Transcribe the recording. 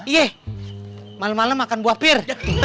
ye malem malem makan buah pir